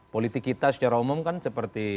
politik kita secara umum kan seperti